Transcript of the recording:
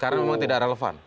karena memang tidak relevan